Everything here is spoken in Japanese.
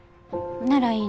ならいい